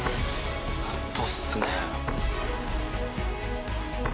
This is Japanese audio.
ホントっすね。